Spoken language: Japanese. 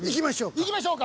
行きましょうか。